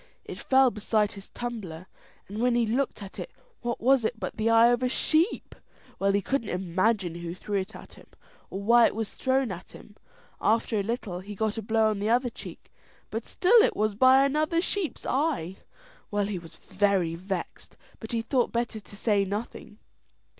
It fell beside his tumbler, and when he looked at it what was it but the eye of a sheep. Well, he couldn't imagine who threw it at him, or why it was thrown at him. After a little he got a blow on the other cheek, and still it was by another sheep's eye. Well, he was very vexed, but he thought better to say nothing.